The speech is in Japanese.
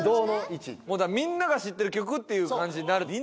もうだからみんなが知ってる曲っていう感じになる。